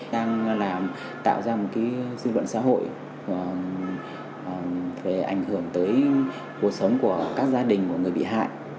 đang tạo ra một dư luận xã hội về ảnh hưởng tới cuộc sống của các gia đình của người bị hại